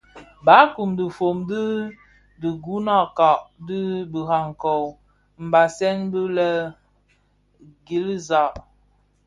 Barkun, dhifom di dhiguňakka di birakong mbasèn bè gil za.